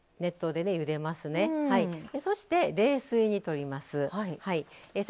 そして冷水にとります。